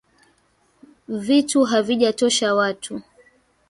Vitu havijatosha watu